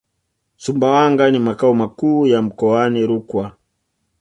Sumbawanga ni makao makuu ya mkoani Rukwa